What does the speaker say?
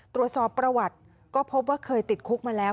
ตรวจสอบประวัติก็พบว่าเคยติดคุกมาแล้ว